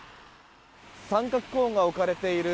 三角コーンが置かれている